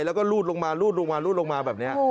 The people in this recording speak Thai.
แล้วก็ลูดลงมาแบบนี้